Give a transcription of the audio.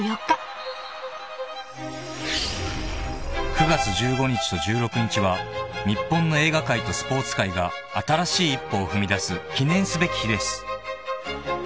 ［９月１５日と１６日は日本の映画界とスポーツ界が新しい一歩を踏みだす記念すべき日です］